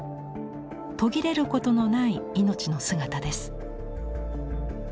途切れることのない命の姿です。